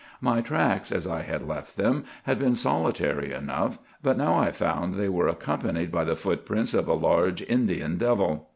My tracks, as I had left them, had been solitary enough; but now I found they were accompanied by the footprints of a large Indian devil.